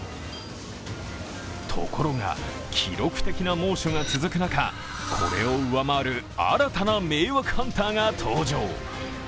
ところが、記録的な猛暑が続く中、これを上回る新たな迷惑ハンターが登場。